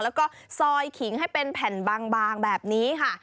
แล้วก็ซอยขิงให้เป็นแผ่นบางแบบนี้ค่ะ